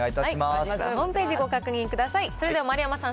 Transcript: ホームページご確認ください。